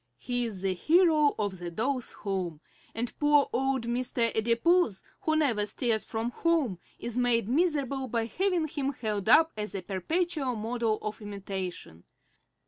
He is the hero of the dolls' home, and poor old Mr. Adipose, who never stirs from home, is made miserable by having him held up as a perpetual model for imitation.